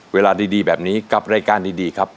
เวลาดีแบบนี้กับรายการดีครับ